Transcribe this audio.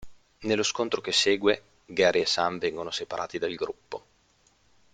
Nello scontro che segue, Gary e Sam vengono separati dal gruppo.